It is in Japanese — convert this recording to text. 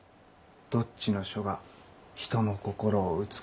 どっちの書が人の心を打つか。